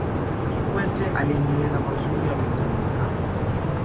kikwete aliendeleza mazuri ya benjamini mkapa